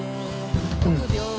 うん。